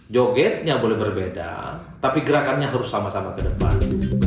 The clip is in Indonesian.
jogetnya boleh berbeda tapi gerakannya harus sama sama ke depan